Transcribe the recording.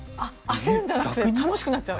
焦るんじゃなくて楽しくなっちゃう。